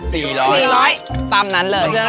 เหลือ๔๐๐ตามนั้นเลย